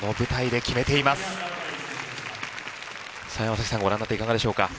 さあ山さんご覧になっていかがでしょうか？